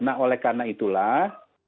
nah oleh karena itulah